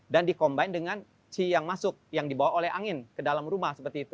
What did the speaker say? dan dikombinasi dengan qi yang masuk yang dibawa oleh angin ke dalam rumah seperti itu